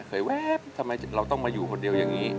แวบทำไมเราต้องมาอยู่คนเดียวอย่างนี้